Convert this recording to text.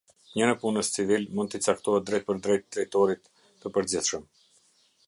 Një nëpunës civil mund t'i caktohet drejtpërdrejt drejtorit të përgjithshëm.